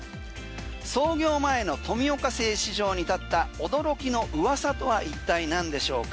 創業前の富岡製糸場に立った驚きの噂とは一体何でしょうか？